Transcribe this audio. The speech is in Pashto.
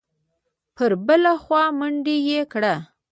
پر بله خوا منډه یې کړه.